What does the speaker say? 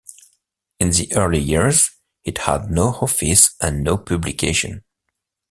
In the early years, it had no office and no publication.